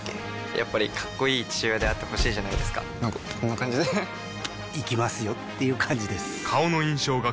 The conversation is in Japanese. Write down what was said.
やっぱりかっこいい父親であってほしいじゃないですかなんかこんな感じで行きますよっていう感じです